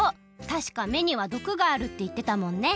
たしか芽にはどくがあるっていってたもんね。